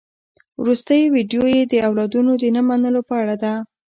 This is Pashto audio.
وروستۍ ويډيو يې د اولادونو د نه منلو په اړه ده.